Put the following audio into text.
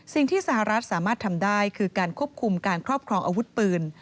สิ่งที่สหรัฐสามารถทำได้คือการควบคุมการครอบครองอาวุธปืน